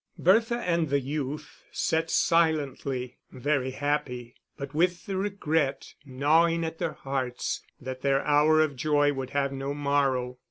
Bertha and the youth sat silently, very happy, but with the regret gnawing at their hearts that their hour of joy would have no morrow.